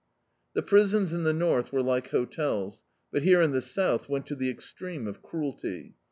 The prisons in the north were like hotels, but here in the south went to the extreme of cruelty.